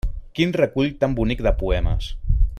Quin recull tan bonic de poemes!